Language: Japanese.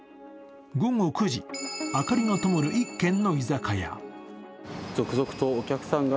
午後９時、明かりがともる１軒の居酒屋。